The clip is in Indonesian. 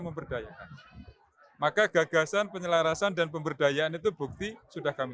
memberdayakan maka gagasan penyelarasan dan pemberdayaan itu bukti sudah kami